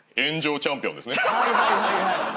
はいはいはいはい。